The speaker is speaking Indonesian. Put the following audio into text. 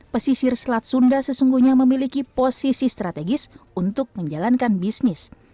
pesisir selat sunda sesungguhnya memiliki posisi strategis untuk menjalankan bisnis